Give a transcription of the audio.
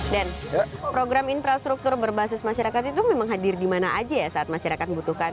dan program infrastruktur berbasis masyarakat itu memang hadir di mana saja saat masyarakat membutuhkan